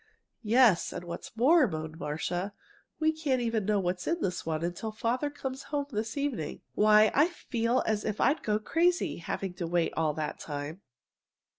"Yes; and what's more," moaned Marcia, "we can't even know what's in this one till Father comes home this evening. Why, I feel as if I'd go crazy, having to wait all that time!"